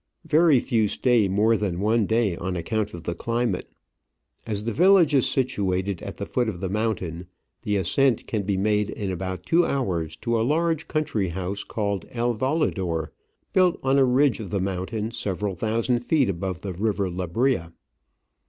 Very few stay more than one day, on account of the climate. As the village is situated at the foot of the mountain, the ascent can be made in about two hours to a large country house called El Volador, built on a ridge of the mountain several thousand feet above the River Lebrija.